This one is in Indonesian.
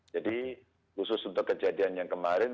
jadi khusus untuk kejadian yang kemarin